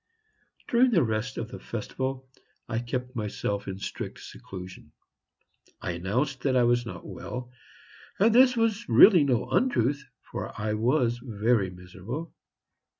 During the rest of the festival I kept myself in strict seclusion. I announced that I was not well, and this was really no untruth, for I was very miserable.